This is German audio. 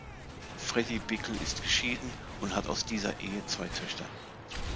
Fredy Bickel ist geschieden und hat aus dieser Ehe zwei Töchter.